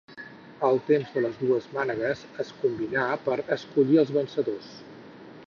El temps de les dues mànegues es combinà per escollir els vencedors.